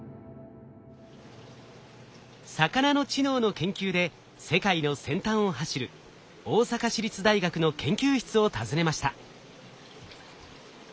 魚の知能の研究で世界の先端を走る大阪市立大学の研究室を訪ねました。